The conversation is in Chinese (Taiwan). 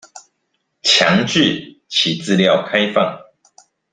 強制其資料開放